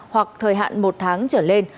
hoặc thời hạn một tháng trở lên